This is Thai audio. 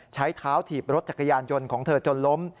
ใช้เท้าถีบรถจักรยานยนต์ของเธอจนล้ม